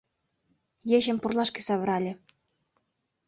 Ечым пурлашке савырале.